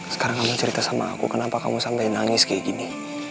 sekarang kamu cerita sama aku kenapa kamu sampai nangis kayak gini